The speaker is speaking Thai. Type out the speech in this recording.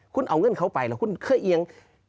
คุณเอาเงื่อนเขาไปหรือคุณเครื่อง